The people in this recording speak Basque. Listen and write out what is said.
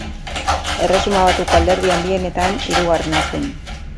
Erresuma Batuko alderdi handienetan hirugarrena zen.